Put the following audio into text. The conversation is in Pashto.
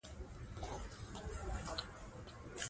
ویاړ د اوښکو په وچولو کښي دئ؛ نه دوینو په بهېودلو کښي.